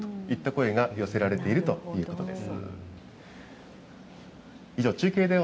声が寄せられているということです。